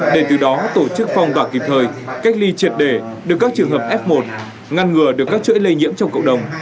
để từ đó tổ chức phong tỏa kịp thời cách ly triệt để được các trường hợp f một ngăn ngừa được các chuỗi lây nhiễm trong cộng đồng